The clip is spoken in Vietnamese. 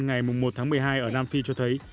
ngày một tháng một mươi hai ở nam phi cho thấy